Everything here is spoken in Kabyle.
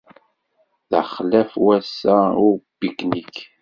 D axlaf wassa i upiknik.